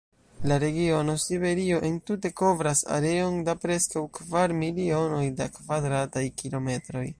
La regiono Siberio entute kovras areon da preskaŭ kvar milionoj da kvadrataj kilometroj.